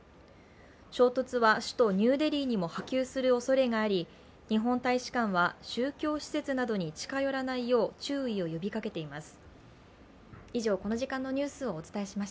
衝突は首都ニューデリーにも波及するおそれがあり日本大使館は宗教施設などに近寄らないよう注意を呼びかけています。